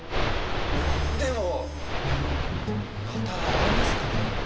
でもまた会えますかね？